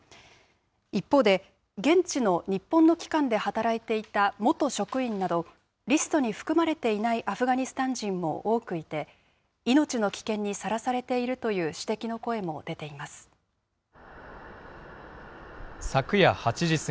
一方で、現地の日本の機関で働いていた元職員など、リストに含まれていないアフガニスタン人も多くいて、命の危険にさらされているという指摘の声も出ています。